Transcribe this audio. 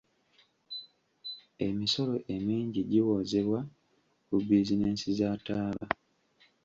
Emisolo emingi giwoozebwa ku bizinensi za ttaaba.